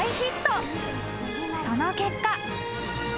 ［その結果］